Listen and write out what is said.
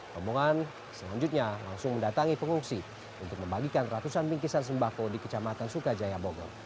rombongan selanjutnya langsung mendatangi pengungsi untuk membagikan ratusan bingkisan sembako di kecamatan sukajaya bogor